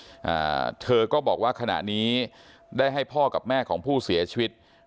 อ่าเธอก็บอกว่าขณะนี้ได้ให้พ่อกับแม่ของผู้เสียชีวิต